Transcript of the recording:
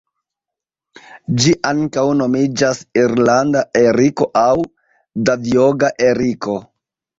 Ĝi ankaŭ nomiĝas irlanda eriko aŭ Davjoga eriko.